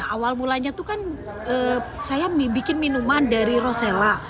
awal mulanya saya membuat minuman dari rosella